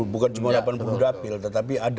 bukan cuma delapan puluh dapil tetapi ada